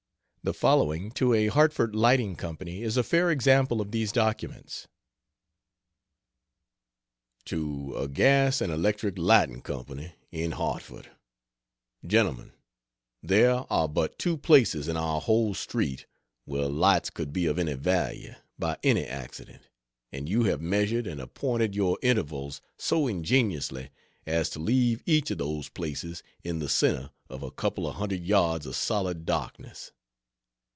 The following to a Hartford lighting company is a fair example of these documents. To a gas and electric lighting company, in Hartford: GENTLEMEN, There are but two places in our whole street where lights could be of any value, by any accident, and you have measured and appointed your intervals so ingeniously as to leave each of those places in the centre of a couple of hundred yards of solid darkness.